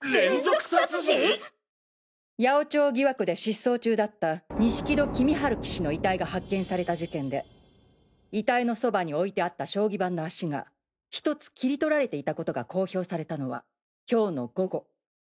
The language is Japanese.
八百長疑惑で失踪中だった錦戸公春棋士の遺体が発見された事件で遺体のそばに置いてあった将棋盤の脚がひとつ切り取られていたことが公表されたのは今日の午後。